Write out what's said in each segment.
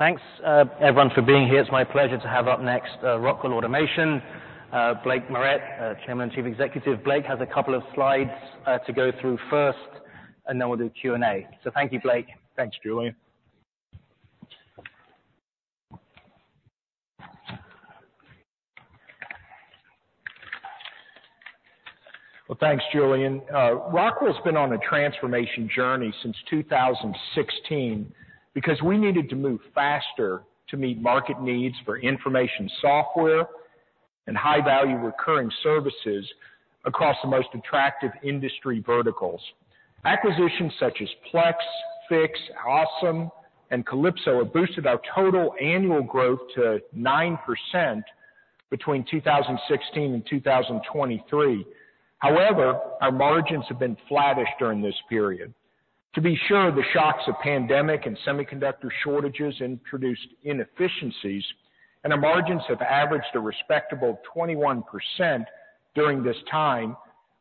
Thanks, everyone for being here. It's my pleasure to have up next, Rockwell Automation, Blake Moret, Chairman and Chief Executive. Blake has a couple of slides to go through first, and then we'll do Q&A. Thank you, Blake. Thanks, Julian. Well, thanks, Julian. Rockwell's been on a transformation journey since 2016 because we needed to move faster to meet market needs for information software and high-value recurring services across the most attractive industry verticals. Acquisitions such as Plex, Fiix, and Kalypso have boosted our total annual growth to 9% between 2016 and 2023. However, our margins have been flattish during this period. To be sure, the shocks of pandemic and semiconductor shortages introduced inefficiencies, and our margins have averaged a respectable 21% during this time,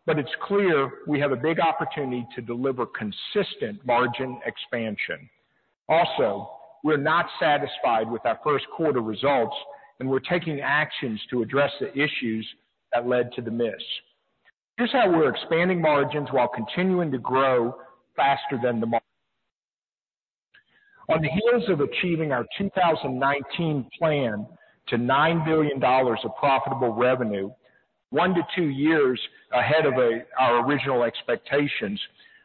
but it's clear we have a big opportunity to deliver consistent margin expansion. Also, we're not satisfied with our first quarter results, and we're taking actions to address the issues that led to the miss. Here's how we're expanding margins while continuing to grow faster than the market. On the heels of achieving our 2019 plan to $9 billion of profitable revenue, 1-2 years ahead of our original expectations,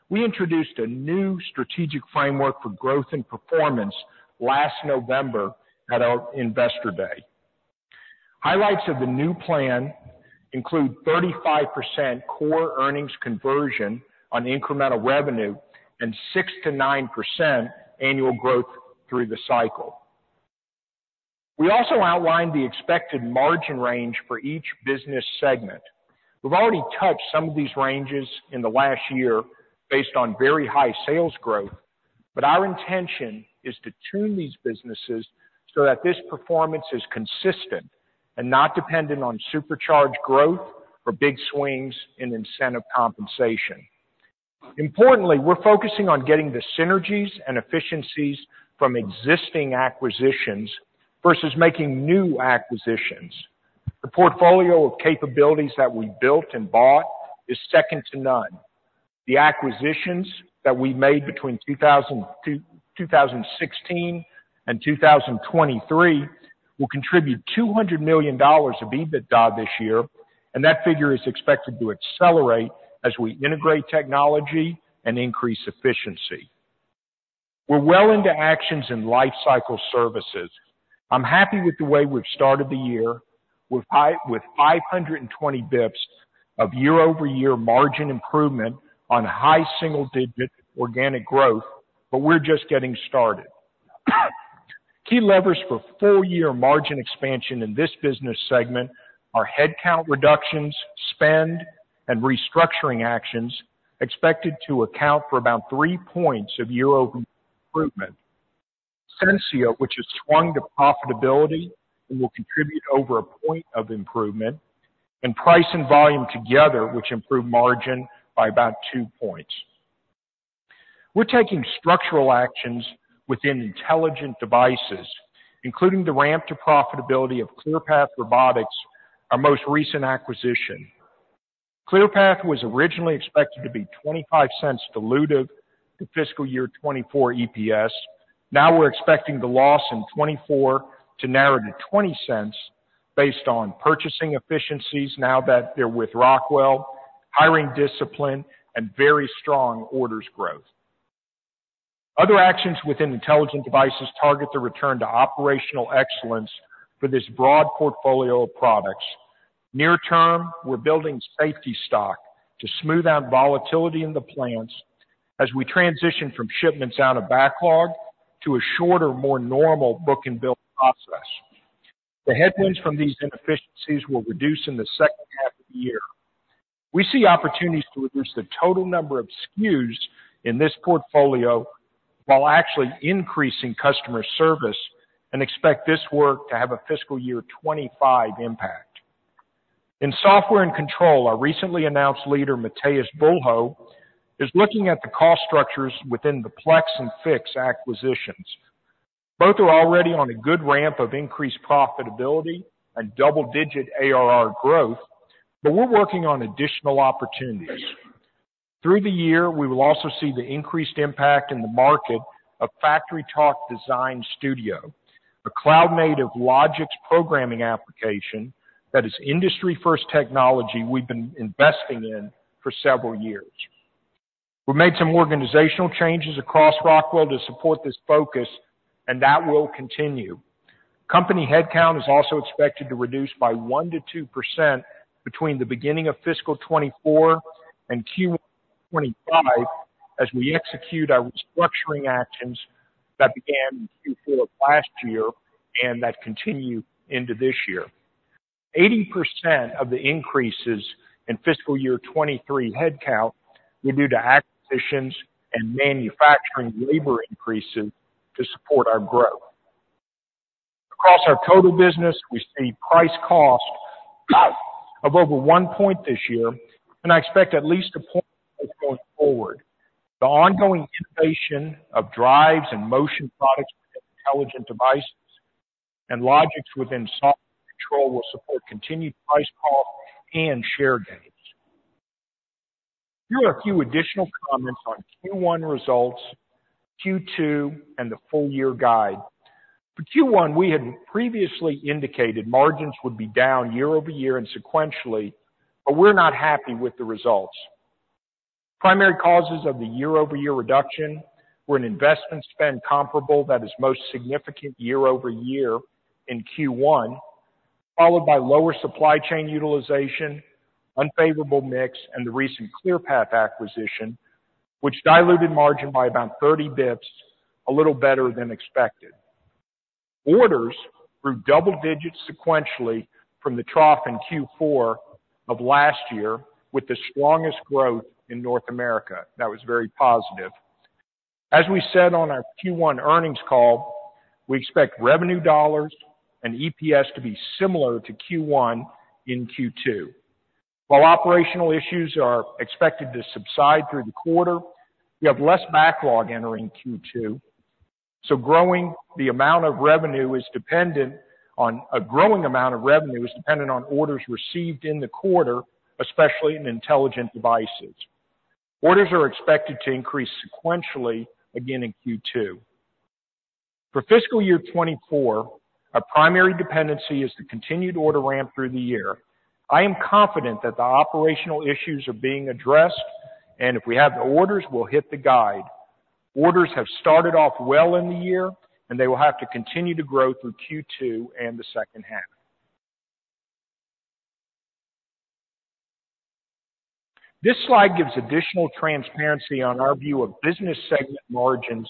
we introduced a new strategic framework for growth and performance last November at our investor day. Highlights of the new plan include 35% core earnings conversion on incremental revenue and 6%-9% annual growth through the cycle. We also outlined the expected margin range for each business segment. We've already touched some of these ranges in the last year based on very high sales growth, but our intention is to tune these businesses so that this performance is consistent and not dependent on supercharged growth or big swings in incentive compensation. Importantly, we're focusing on getting the synergies and efficiencies from existing acquisitions versus making new acquisitions. The portfolio of capabilities that we built and bought is second to none. The acquisitions that we made between 2016 and 2023 will contribute $200 million of EBITDA this year, and that figure is expected to accelerate as we integrate technology and increase efficiency. We're well into actions in Lifecycle Services. I'm happy with the way we've started the year, with 520 basis points of year-over-year margin improvement on high single-digit organic growth, but we're just getting started. Key levers for full-year margin expansion in this business segment are headcount reductions, spend, and restructuring actions expected to account for about 3 points of year-over-year improvement. Sensia, which has swung to profitability and will contribute over a point of improvement, and price and volume together, which improve margin by about 2 points. We're taking structural actions within Intelligent Devices, including the ramp to profitability of Clearpath Robotics, our most recent acquisition. Clearpath was originally expected to be $0.25 dilutive to fiscal year 2024 EPS. Now we're expecting the loss in 2024 to narrow to $0.20 based on purchasing efficiencies now that they're with Rockwell, hiring discipline, and very strong orders growth. Other actions within Intelligent Devices target the return to operational excellence for this broad portfolio of products. Near term, we're building safety stock to smooth out volatility in the plants as we transition from shipments out of backlog to a shorter, more normal book-and-build process. The headwinds from these inefficiencies will reduce in the second half of the year. We see opportunities to reduce the total number of SKUs in this portfolio while actually increasing customer service and expect this work to have a fiscal year 2025 impact. In software and control, our recently announced leader, Matheus Bulho, is looking at the cost structures within the Plex and Fiix acquisitions. Both are already on a good ramp of increased profitability and double-digit ARR growth, but we're working on additional opportunities. Through the year, we will also see the increased impact in the market of FactoryTalk Design Studio, a cloud-native logix programming application that is industry-first technology we've been investing in for several years. We've made some organizational changes across Rockwell to support this focus, and that will continue. Company headcount is also expected to reduce by 1%-2% between the beginning of fiscal 2024 and Q1 of 2025 as we execute our restructuring actions that began in Q4 of last year and that continue into this year. 80% of the increases in fiscal year 2023 headcount were due to acquisitions and manufacturing labor increases to support our growth. Across our total business, we see price cost of over one point this year, and I expect at least a point going forward. The ongoing innovation of drives and motion products within Intelligent Devices and logix within software control will support continued price cost and share gains. Here are a few additional comments on Q1 results, Q2, and the full-year guide. For Q1, we had previously indicated margins would be down year-over-year and sequentially, but we're not happy with the results. Primary causes of the year-over-year reduction were an investment spend comparable that is most significant year-over-year in Q1, followed by lower supply chain utilization, unfavorable mix, and the recent Clearpath acquisition, which diluted margin by about 30 bps, a little better than expected. Orders grew double-digit sequentially from the trough in Q4 of last year with the strongest growth in North America. That was very positive. As we said on our Q1 earnings call, we expect revenue dollars and EPS to be similar to Q1 in Q2. While operational issues are expected to subside through the quarter, we have less backlog entering Q2, so growing the amount of revenue is dependent on orders received in the quarter, especially in Intelligent Devices. Orders are expected to increase sequentially, again, in Q2. For fiscal year 2024, our primary dependency is the continued order ramp through the year. I am confident that the operational issues are being addressed, and if we have the orders, we'll hit the guide. Orders have started off well in the year, and they will have to continue to grow through Q2 and the second half. This slide gives additional transparency on our view of business segment margins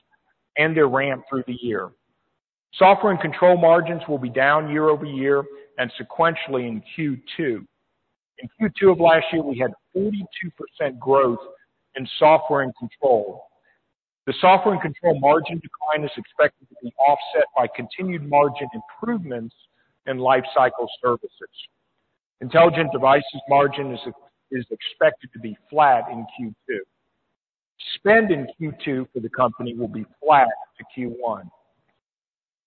and their ramp through the year. Software and Control margins will be down year-over-year and sequentially in Q2. In Q2 of last year, we had 42% growth in Software and Control. The Software and Control margin decline is expected to be offset by continued margin improvements in Lifecycle Services. Intelligent Devices margin is expected to be flat in Q2. Spend in Q2 for the company will be flat to Q1.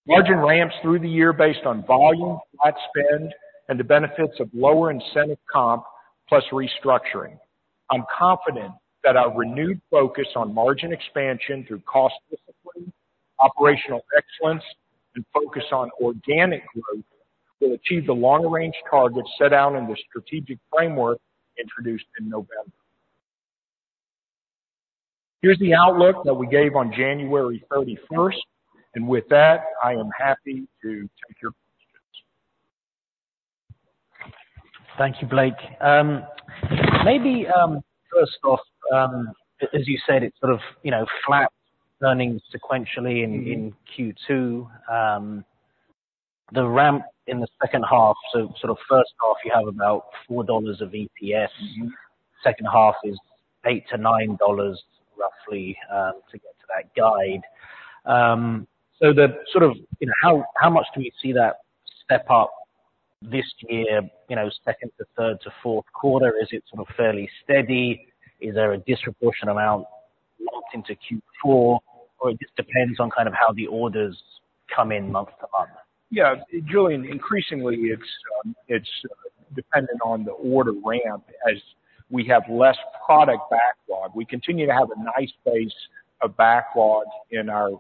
Margin ramps through the year based on volume, flat spend, and the benefits of lower incentive comp plus restructuring. I'm confident that our renewed focus on margin expansion through cost discipline, operational excellence, and focus on organic growth will achieve the longer-range targets set out in the strategic framework introduced in November. Here's the outlook that we gave on January 31st, and with that, I am happy to take your questions. Thank you, Blake. Maybe, first off, as you said, it's sort of, you know, flat earnings sequentially in, in Q2. The ramp in the second half, so sort of first half, you have about $4 of EPS. Second half is $8-$9, roughly, to get to that guide. So the sort of, you know, how, how much do we see that step up this year, you know, second to third to fourth quarter? Is it sort of fairly steady? Is there a disproportionate amount lumped into Q4, or it just depends on kind of how the orders come in month to month? Yeah. Julian, increasingly, it's dependent on the order ramp as we have less product backlog. We continue to have a nice base of backlog in our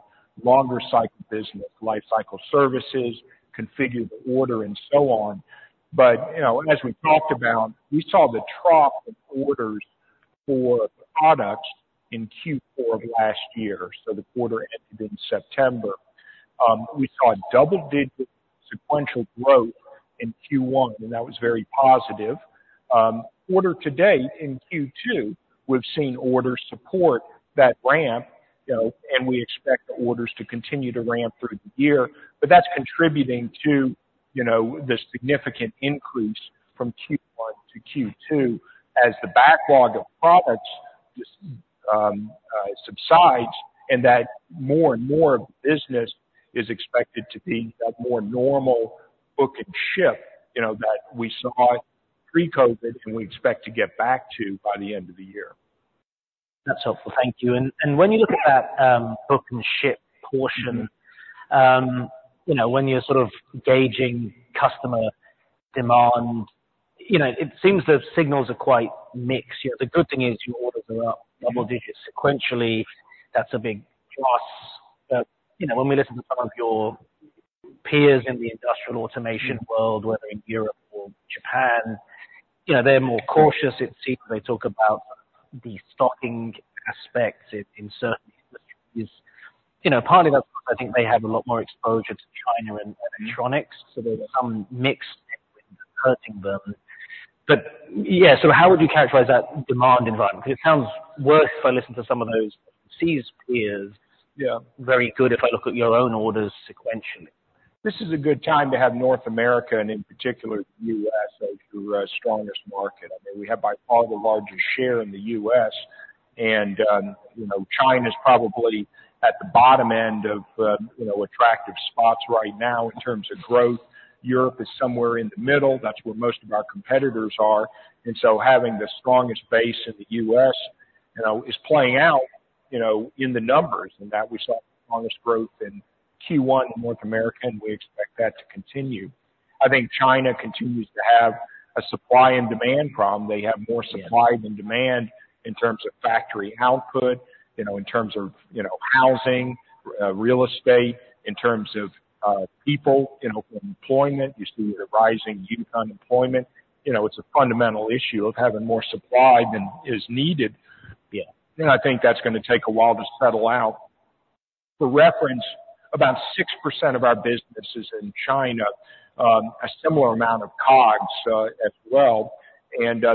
longer cycle business, lifecycle services, configure-to-order, and so on. But, you know, as we talked about, we saw the trough of orders for products in Q4 of last year, so the quarter ended in September. We saw double-digit sequential growth in Q1, and that was very positive. Orders to date in Q2, we've seen orders support that ramp, you know, and we expect the orders to continue to ramp through the year. That's contributing to, you know, the significant increase from Q1 to Q2 as the backlog of products just subsides and that more and more of the business is expected to be that more normal book-and-ship, you know, that we saw pre-COVID and we expect to get back to by the end of the year. That's helpful. Thank you. And when you look at that Book-and-Ship portion, you know, when you're sort of gauging customer demand, you know, it seems the signals are quite mixed. You know, the good thing is your orders are up double-digit sequentially. That's a big plus. You know, when we listen to some of your peers in the industrial automation world, whether in Europe or Japan, you know, they're more cautious, it seems. They talk about the stocking aspects in certain industries. You know, partly that's because I think they have a lot more exposure to China and electronics, so there's some mixed headwinds hurting them. But yeah, so how would you characterize that demand environment? Because it sounds worse if I listen to some of those overseas peers. Yeah. Very good if I look at your own orders sequentially. This is a good time to have North America and, in particular, the U.S. as your strongest market. I mean, we have by far the largest share in the U.S., and, you know, China's probably at the bottom end of, you know, attractive spots right now in terms of growth. Europe is somewhere in the middle. That's where most of our competitors are. And so having the strongest base in the U.S., you know, is playing out, you know, in the numbers, in that we saw the strongest growth in Q1 in North America, and we expect that to continue. I think China continues to have a supply and demand problem. They have more supply than demand in terms of factory output, you know, in terms of, you know, housing, real estate, in terms of, people, you know, employment. You see a rising unemployment. You know, it's a fundamental issue of having more supply than is needed. Yeah. I think that's going to take a while to settle out. For reference, about 6% of our business is in China, a similar amount of COGS, as well.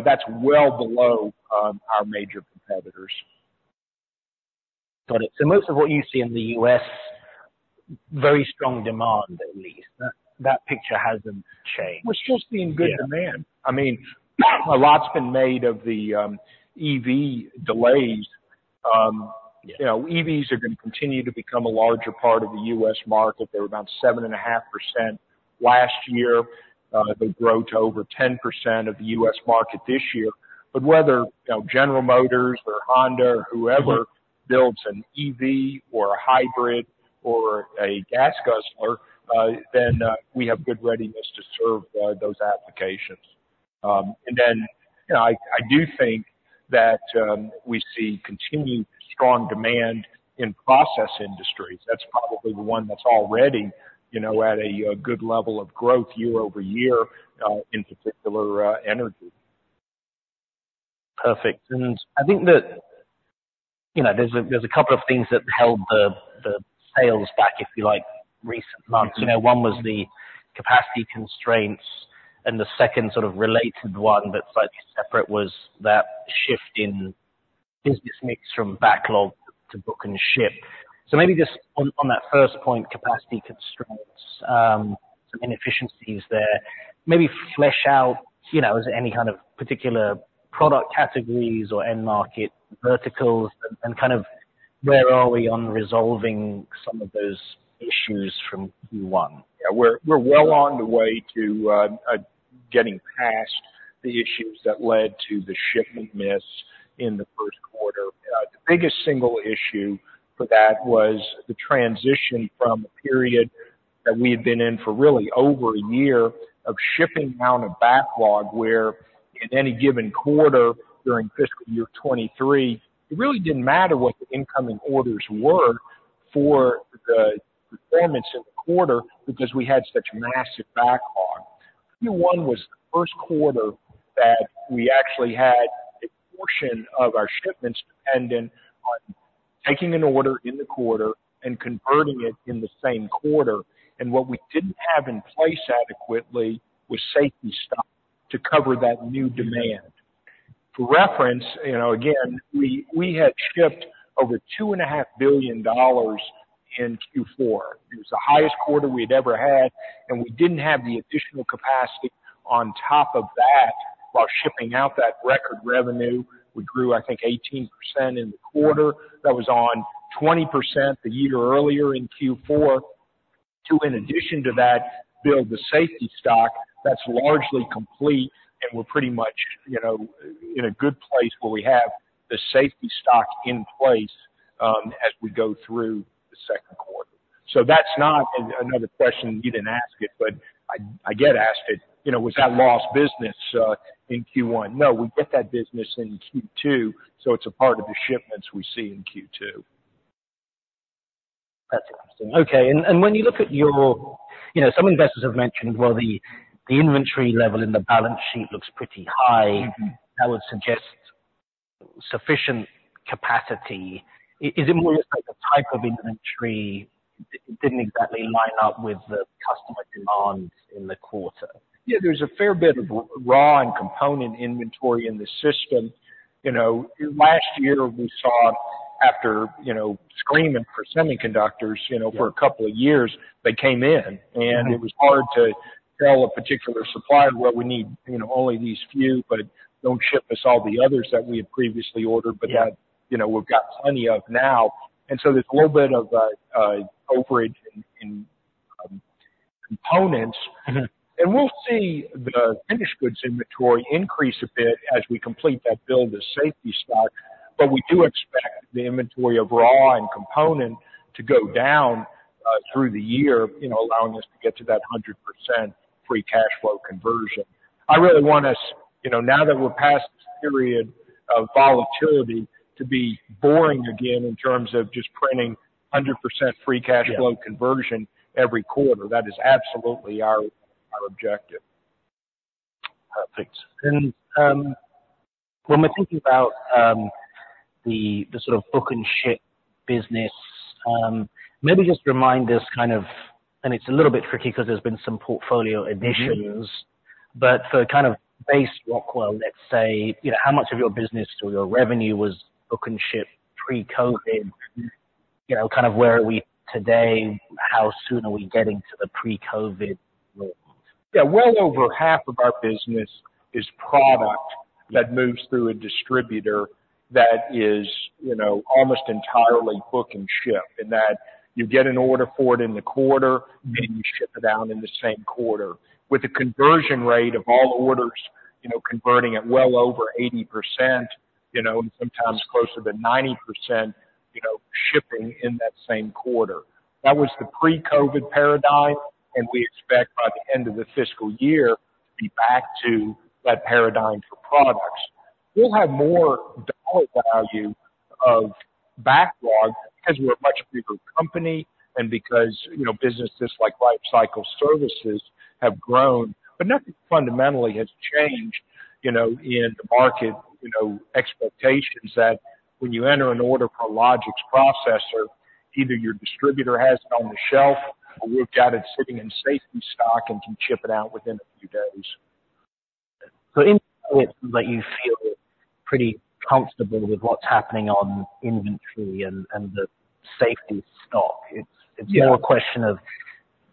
That's well below our major competitors. Got it. So most of what you see in the U.S., very strong demand at least. That picture hasn't changed. We're still seeing good demand. I mean, a lot's been made of the EV delays. You know, EVs are going to continue to become a larger part of the U.S. market. They were about 7.5% last year. They'll grow to over 10% of the U.S. market this year. But whether, you know, General Motors or Honda or whoever builds an EV or a hybrid or a gas guzzler, then we have good readiness to serve those applications. And then, you know, I do think that we see continued strong demand in process industries. That's probably the one that's already, you know, at a good level of growth year-over-year, in particular, energy. Perfect. And I think that, you know, there's a couple of things that held the sales back, if you like, recent months. You know, one was the capacity constraints, and the second sort of related one that's slightly separate was that shift in business mix from backlog to Book-and-Ship. So maybe just on that first point, capacity constraints, some inefficiencies there, maybe flesh out, you know, is there any kind of particular product categories or end-market verticals and kind of where are we on resolving some of those issues from Q1? Yeah. We're, we're well on the way to, getting past the issues that led to the shipment miss in the first quarter. The biggest single issue for that was the transition from a period that we had been in for really over a year of shipping out of backlog where in any given quarter during fiscal year 2023, it really didn't matter what the incoming orders were for the performance in the quarter because we had such massive backlog. Q1 was the first quarter that we actually had a portion of our shipments dependent on taking an order in the quarter and converting it in the same quarter. And what we didn't have in place adequately was safety stock to cover that new demand. For reference, you know, again, we, we had shipped over $2.5 billion in Q4. It was the highest quarter we had ever had, and we didn't have the additional capacity on top of that while shipping out that record revenue. We grew, I think, 18% in the quarter. That was on 20% the year earlier in Q4 to, in addition to that, build the safety stock. That's largely complete, and we're pretty much, you know, in a good place where we have the safety stock in place, as we go through the second quarter. So that's not another question. You didn't ask it, but I get asked it. You know, was that lost business, in Q1? No, we get that business in Q2, so it's a part of the shipments we see in Q2. That's interesting. Okay. And when you look at your, you know, some investors have mentioned, well, the inventory level in the balance sheet looks pretty high. That would suggest sufficient capacity. Is it more just like a type of inventory that didn't exactly line up with the customer demand in the quarter? Yeah. There's a fair bit of raw and component inventory in the system. You know, last year, we saw after, you know, screaming for semiconductors, you know, for a couple of years, they came in, and it was hard to tell a particular supplier where we need, you know, only these few, but don't ship us all the others that we had previously ordered, but that, you know, we've got plenty of now. And so there's a little bit of a, a overage in, in, components. And we'll see the finished goods inventory increase a bit as we complete that build of safety stock, but we do expect the inventory of raw and component to go down, through the year, you know, allowing us to get to that 100% free cash flow conversion. I really want us, you know, now that we're past this period of volatility, to be boring again in terms of just printing 100% free cash flow conversion every quarter. That is absolutely our, our objective. Perfect. When we're thinking about the sort of Book-and-Ship business, maybe just remind us kind of, and it's a little bit tricky because there's been some portfolio additions. But for kind of base Rockwell, let's say, you know, how much of your business or your revenue was Book-and-Ship pre-COVID? You know, kind of where are we today? How soon are we getting to the pre-COVID world? Yeah. Well, over half of our business is product that moves through a distributor that is, you know, almost entirely book-and-ship in that you get an order for it in the quarter, and you ship it out in the same quarter with a conversion rate of all orders, you know, converting at well over 80%, you know, and sometimes closer to 90%, you know, shipping in that same quarter. That was the pre-COVID paradigm, and we expect by the end of the fiscal year to be back to that paradigm for products. We'll have more dollar value of backlog because we're a much bigger company and because, you know, businesses like Life Cycle Services have grown, but nothing fundamentally has changed, you know, in the market, you know, expectations that when you enter an order for a logic processor, either your distributor has it on the shelf or we've got it sitting in safety stock and can ship it out within a few days. So in that sense, it seems like you feel pretty comfortable with what's happening on inventory and the safety stock. It's more a question of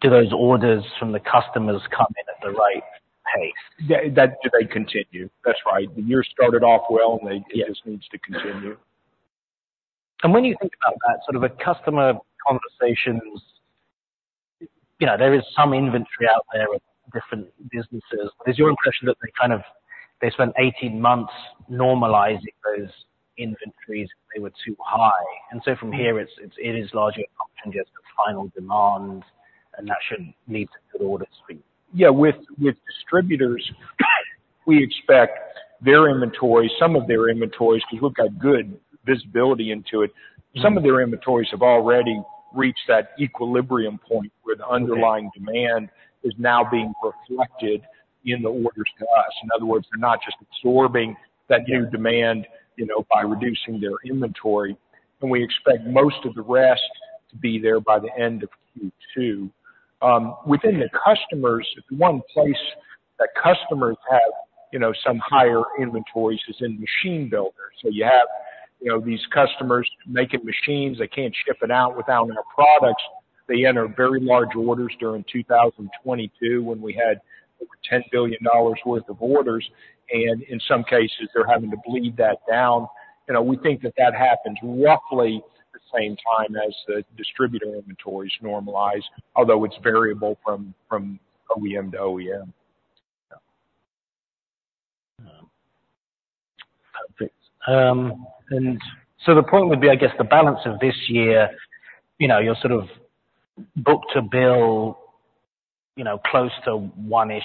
do those orders from the customers come in at the right pace? Yeah. That they do continue. That's right. The year started off well, and it just needs to continue. When you think about that, sort of a customer conversations, you know, there is some inventory out there at different businesses. But is your impression that they kind of spent 18 months normalizing those inventories if they were too high? And so from here, it is largely a question just of final demand, and that should lead to good order speed. Yeah. With distributors, we expect their inventory, some of their inventories because we've got good visibility into it, some of their inventories have already reached that equilibrium point where the underlying demand is now being reflected in the orders to us. In other words, they're not just absorbing that new demand, you know, by reducing their inventory. And we expect most of the rest to be there by the end of Q2. Within the customers, one place that customers have, you know, some higher inventories is in machine builders. So you have, you know, these customers making machines. They can't ship it out without our products. They enter very large orders during 2022 when we had over $10 billion worth of orders, and in some cases, they're having to bleed that down. You know, we think that that happens roughly the same time as the distributor inventories normalize, although it's variable from OEM to OEM. Yeah. Perfect. And so the point would be, I guess, the balance of this year, you know, you're sort of book-to-bill, you know, close to one-ish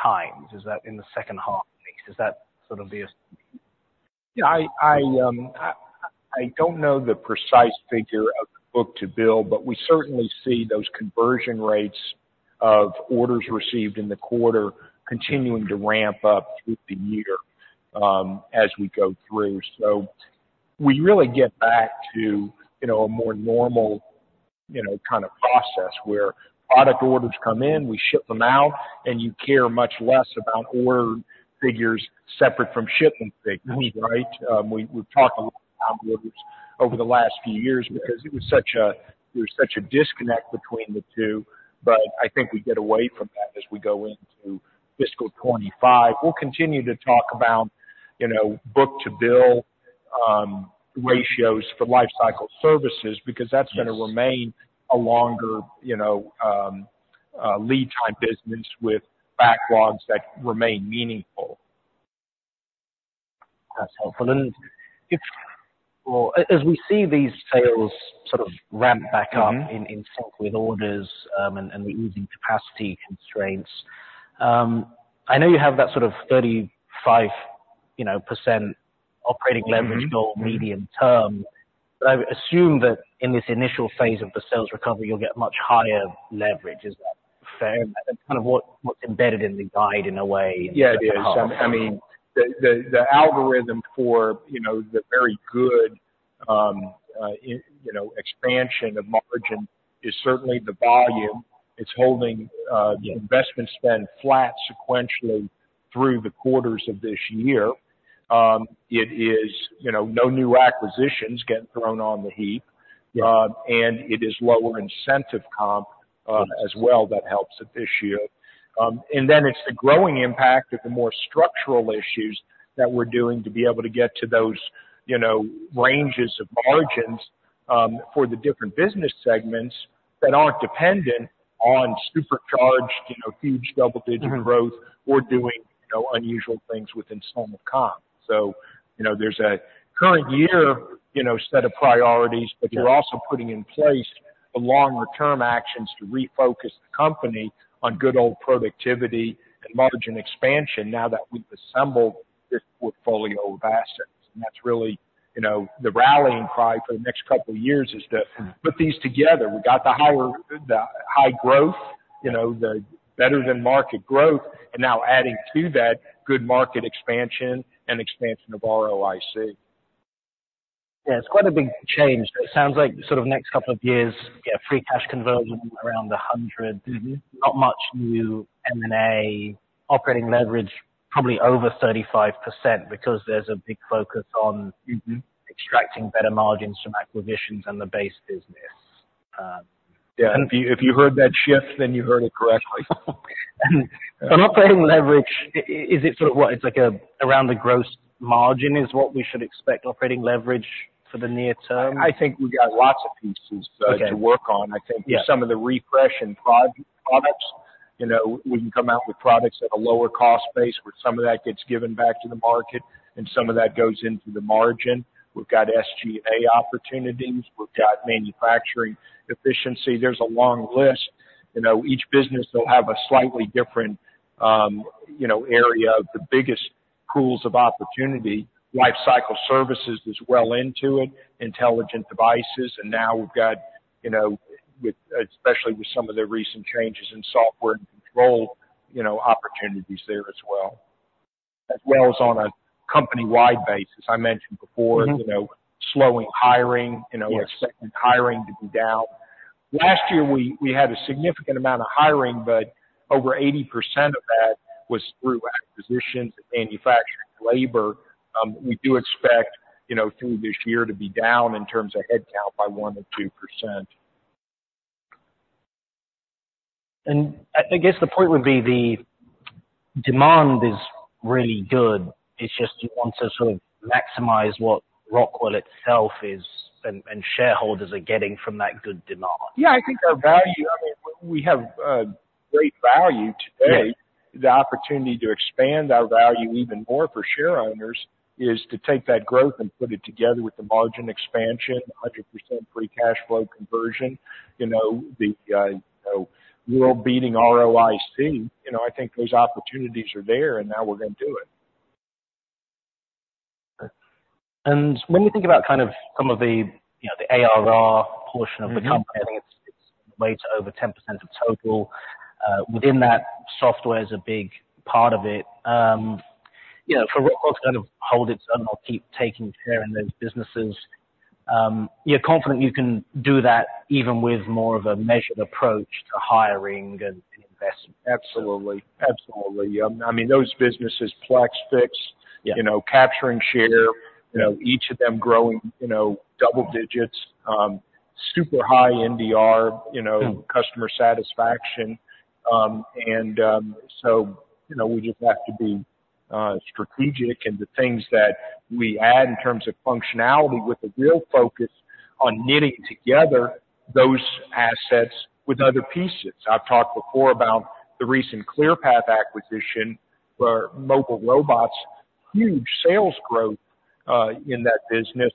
times. Is that in the second half at least? Is that sort of the estimate? Yeah. I don't know the precise figure of book-to-bill, but we certainly see those conversion rates of orders received in the quarter continuing to ramp up through the year, as we go through. So we really get back to, you know, a more normal, you know, kind of process where product orders come in, we ship them out, and you care much less about order figures separate from shipment figures, right? We've talked a lot about orders over the last few years because there was such a disconnect between the two. But I think we get away from that as we go into fiscal 2025. We'll continue to talk about, you know, book-to-bill ratios for Life Cycle Services because that's going to remain a longer, you know, lead-time business with backlogs that remain meaningful. That's helpful. And it's well, as we see these sales sort of ramp back up in sync with orders, and the easing capacity constraints, I know you have that sort of 35% operating leverage goal medium term, but I assume that in this initial phase of the sales recovery, you'll get much higher leverage. Is that fair? And that's kind of what, what's embedded in the guide in a way in the process. Yeah. It is. I mean, the algorithm for, you know, the very good, you know, expansion of margin is certainly the volume. It's holding investment spend flat sequentially through the quarters of this year. It is, you know, no new acquisitions getting thrown on the heap. And it is lower incentive comp, as well, that helps this year. And then it's the growing impact of the more structural issues that we're doing to be able to get to those, you know, ranges of margins, for the different business segments that aren't dependent on supercharged, you know, huge double-digit growth or doing, you know, unusual things with incentive comp. So, you know, there's a current year, you know, set of priorities, but you're also putting in place the longer-term actions to refocus the company on good old productivity and margin expansion now that we've assembled this portfolio of assets. And that's really, you know, the rallying cry for the next couple of years is to put these together. We got the higher the high growth, you know, the better-than-market growth, and now adding to that good market expansion and expansion of ROIC. Yeah. It's quite a big change. It sounds like sort of next couple of years, you know, free cash conversion around 100%, not much new M&A, operating leverage probably over 35% because there's a big focus on extracting better margins from acquisitions and the base business. and. Yeah. If you heard that shift, then you heard it correctly. Operating leverage, is it sort of what it's like around the gross margin is what we should expect operating leverage for the near term? I think we got lots of pieces to work on. I think with some of the refresh and products, you know, we can come out with products at a lower cost base where some of that gets given back to the market and some of that goes into the margin. We've got SG&A opportunities. We've got manufacturing efficiency. There's a long list. You know, each business will have a slightly different, you know, area of the biggest pools of opportunity. Lifecycle Services is well into it, Intelligent Devices. And now we've got, you know, especially with some of the recent changes in Software and Control, you know, opportunities there as well, as well as on a company-wide basis. I mentioned before, you know, slowing hiring, you know, expecting hiring to be down. Last year, we had a significant amount of hiring, but over 80% of that was through acquisitions and manufacturing labor. We do expect, you know, through this year to be down in terms of headcount by one or two%. I guess the point would be the demand is really good. It's just you want to sort of maximize what Rockwell itself is and shareholders are getting from that good demand. Yeah. I think our value I mean, we, we have, great value today. The opportunity to expand our value even more for shareholders is to take that growth and put it together with the margin expansion, 100% free cash flow conversion, you know, the, you know, world-beating ROIC. You know, I think those opportunities are there, and now we're going to do it. Okay. And when you think about kind of some of the, you know, the ARR portion of the company, I think it's way over 10% of total. Within that, software is a big part of it. You know, for Rockwell to kind of hold its own or keep taking care of those businesses, you're confident you can do that even with more of a measured approach to hiring and investment? Absolutely. Absolutely. I mean, those businesses, Plex, Fiix, you know, capturing share, you know, each of them growing, you know, double digits, super high NDR, you know, customer satisfaction. And so, you know, we just have to be strategic. And the things that we add in terms of functionality with a real focus on knitting together those assets with other pieces. I've talked before about the recent ClearPath acquisition for mobile robots, huge sales growth in that business,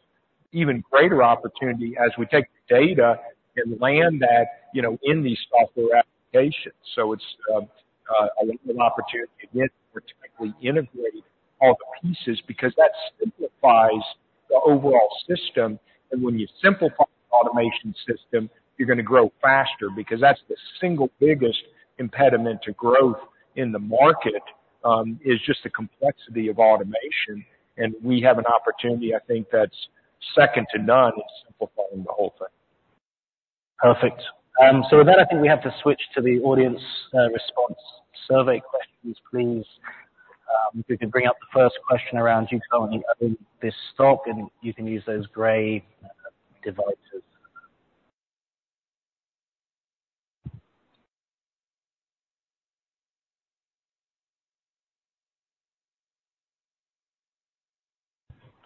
even greater opportunity as we take the data and land that, you know, in these software applications. So it's a lot of opportunity again to technically integrate all the pieces because that simplifies the overall system. And when you simplify the automation system, you're going to grow faster because that's the single biggest impediment to growth in the market, is just the complexity of automation. We have an opportunity, I think, that's second to none in simplifying the whole thing. Perfect. So with that, I think we have to switch to the audience response survey questions, please. If you can bring up the first question around you telling the others this stock, and you can use those gray devices.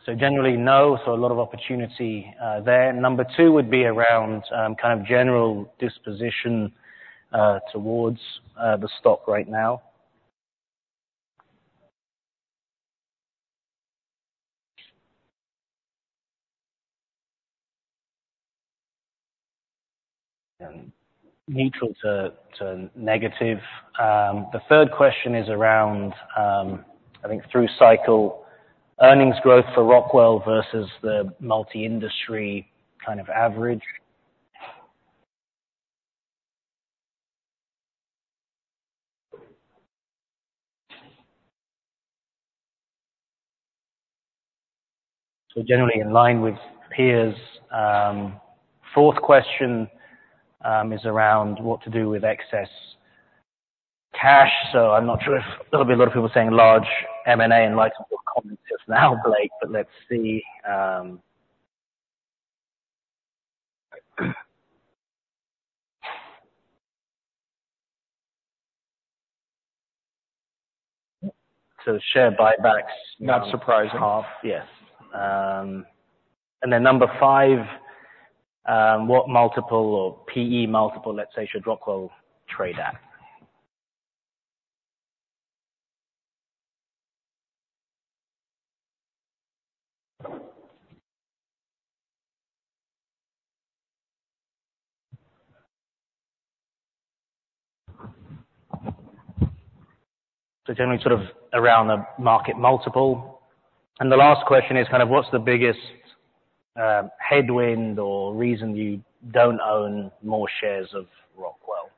So generally, no. So a lot of opportunity there. Number two would be around kind of general disposition towards the stock right now. And neutral to to negative. The third question is around, I think through cycle, earnings growth for Rockwell versus the multi-industry kind of average. So generally in line with peers. Fourth question is around what to do with excess cash. So I'm not sure if there'll be a lot of people saying large M&A and likely more comments just now, Blake, but let's see. So share buybacks now. Not surprising. Half. Yes, and then number 5, what multiple or PE multiple, let's say, should Rockwell trade at? So generally sort of around a market multiple. And the last question is kind of what's the biggest headwind or reason you don't own more shares of Rockwell?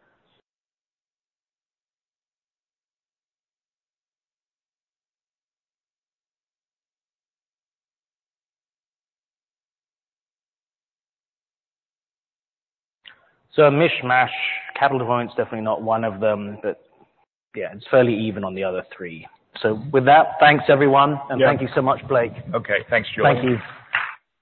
So a mishmash. Capital deployment, definitely not one of them, but yeah, it's fairly even on the other three. So with that, thanks, everyone. And thank you so much, Blake. Okay. Thanks, Julian. Thank you.